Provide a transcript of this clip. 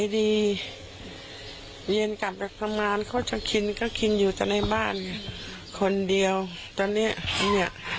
เวียนกลับจากประมาณเขาจะกินก็กินอยู่ตรงในบ้านคนเดียวตรงเนี้ยเนี้ย